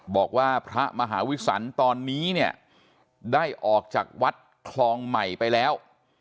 บอกว่าพระมหาวิสันตอนนี้เนี่ยได้ออกจากวัดคลองใหม่ไปแล้ว